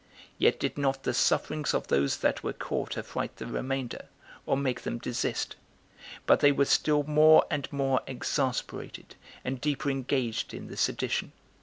Yet did not the sufferings of those that were caught affright the remainder, or make them desist; but they were still more and more exasperated, and deeper engaged in the sedition.